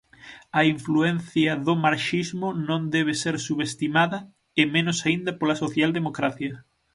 A influencia do marxismo non debe ser subestimada, e menos aínda pola socialdemocracia.